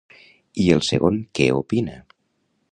I el segon què opina?